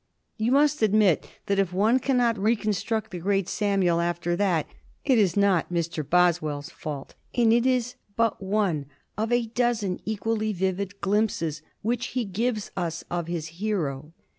You must admit that if one cannot reconstruct the great Samuel after that it is not Mr. Boswell's fault—and it is but one of a dozen equally vivid glimpses which he gives us of his hero.